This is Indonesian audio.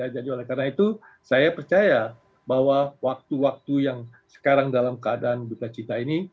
jadi oleh karena itu saya percaya bahwa waktu waktu yang sekarang dalam keadaan buka cinta ini